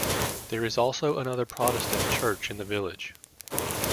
There is also another Protestant church in the village.